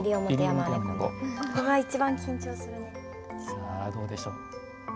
さあどうでしょう。